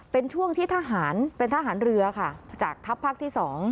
เป็นช่วงที่ทหารเป็นทหารเรือค่ะจากทัพภาคที่๒